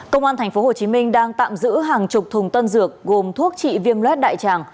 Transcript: công an thành phố hồ chí minh đang tạm giữ hàng chục thùng tân dược gồm thuốc trị viêm lết đại tràng